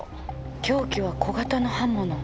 凶器は小型の刃物。